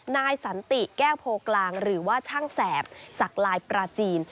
นายสันติแก้วโพกลางหรือว่าช่างแสบสักลายปลาจีน